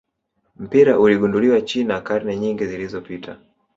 mpira uligunduliwa China karne nyingi zilizopita